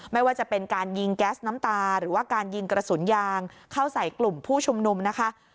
ไม่ว่าจะเป็นการยิงแก๊สน้ำตาหรือว่าการยิงกระสุนยางเข้าใส่กลุ่มผู้ชุมนุมนะคะ